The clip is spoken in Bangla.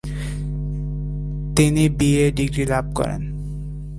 তিনি বিএ ডিগ্রি লাভ করেন।